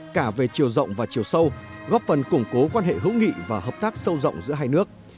cả về chiều rộng và chiều sâu góp phần củng cố quan hệ hữu nghị và hợp tác sâu rộng giữa hai nước